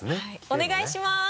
お願いします。